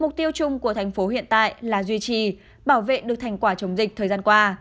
mục tiêu chung của thành phố hiện tại là duy trì bảo vệ được thành quả chống dịch thời gian qua